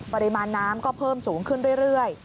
ปริมาณน้ำก็เพิ่มสูงขึ้นเรื่อย